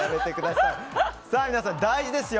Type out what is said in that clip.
皆さん、大事ですよ。